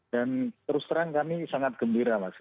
dan terus terang kami sangat gembira mas